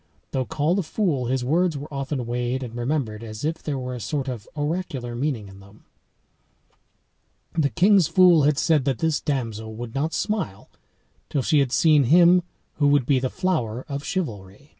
Though called a fool, his words were often weighed and remembered as if there were a sort of oracular meaning in them.] had said that this damsel would not smile till she had seen him who would be the flower of chivalry.